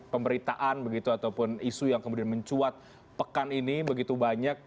pemberitaan begitu ataupun isu yang kemudian mencuat pekan ini begitu banyak